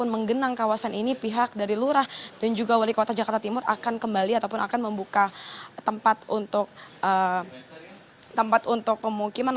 menggenang kawasan ini pihak dari lurah dan juga wali kota jakarta timur akan kembali ataupun akan membuka tempat untuk tempat untuk pemukiman